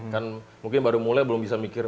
kan mungkin baru mulai belum bisa mikir